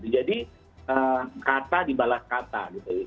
jadi kata dibalas kata